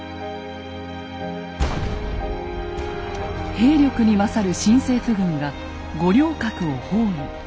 兵力に勝る新政府軍が五稜郭を包囲。